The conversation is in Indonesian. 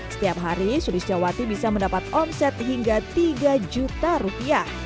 setiap hari sulistya wati bisa mendapat omset hingga rp tiga